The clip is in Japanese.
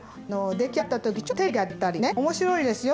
出来上がった時ちょっと照りができたりね面白いですよ